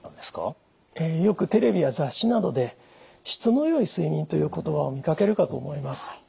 よくテレビや雑誌などで質の良い睡眠という言葉を見かけるかと思います。